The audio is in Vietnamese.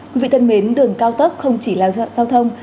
quý vị thân mến đường cao tốc không chỉ là giao thông